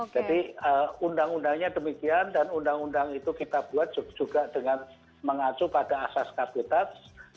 jadi undang undangnya demikian dan undang undang itu kita buat juga dengan mengacu pada asas kabinetat